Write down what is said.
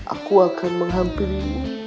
aku akan menghampiri